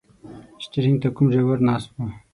شټرنګ ته کوم ډریور ناست و.